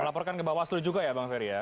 melaporkan ke bawah seluruh juga ya bang ferry